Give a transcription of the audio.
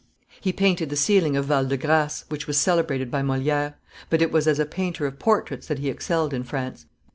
He painted the ceiling of Val de Grace, which was celebrated by Moliere; but it was as a painter of portraits that he excelled in France.